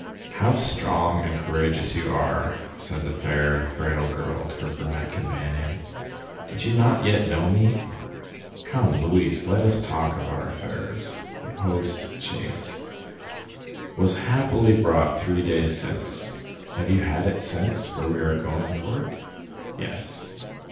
"How strong and courageous you are!" said the fair, frail girl to her brunette companion. "Did you not yet know me? Come, Louise, let us talk of our affairs. The post chaise——" "Was happily bought three days since." "Have you had it sent where we are to go for it?" "Yes."